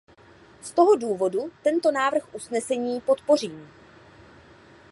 Z toho důvodu tento návrh usnesení podpořím.